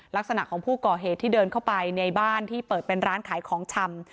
ลักษณะของผู้ก่อเหตุที่เดินเข้าไปในบ้านที่เปิดเป็นร้านขายของชำ